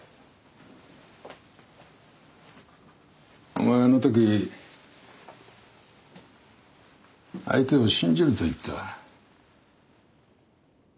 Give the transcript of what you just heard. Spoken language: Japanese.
お前あの時「相手を信じる」と言った。